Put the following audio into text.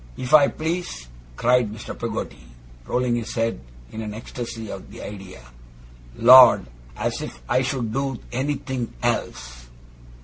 If I please!' cried Mr. Peggotty, rolling his head in an ecstasy at the idea; 'Lord, as if I should do anythink else!